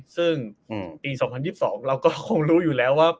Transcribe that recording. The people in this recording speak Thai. ซึ่งปี๒๐๒๒เราก็คงรู้อยู่แล้วว่า